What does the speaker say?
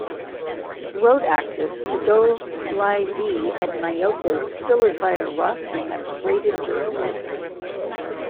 Road access to Dolisie and Mayoko still is via rough, sometimes graded dirt roads.